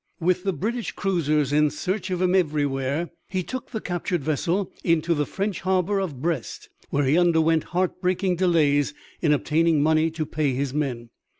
With the British cruisers in search of him everywhere he took the captured vessel into the French harbor of Brest, where he underwent heartbreaking delays in obtaining money to pay his men.